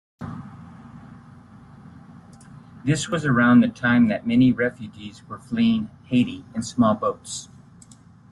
This was around the time that many refugees were fleeing Haiti in small boats.